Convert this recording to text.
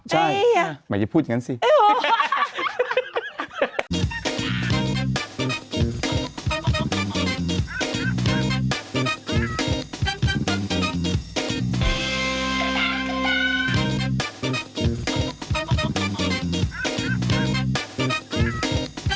ใช่หมายจะพูดอย่างนั้นสิ